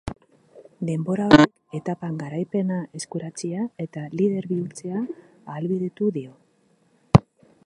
Denbora horrek etapan garaipena eskuratzea eta lider bihurtzea ahalbidetu dio.